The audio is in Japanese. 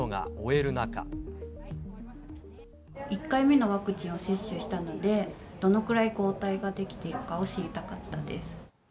１回目のワクチンを接種したので、どのくらい抗体が出来ているかを知りたかったです。